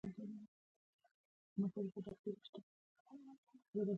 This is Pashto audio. احمد خبره نه مني؛ په غوږو کې يې ګوتې نيولې دي.